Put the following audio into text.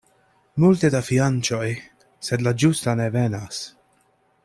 Multe da fianĉoj, sed la ĝusta ne venas.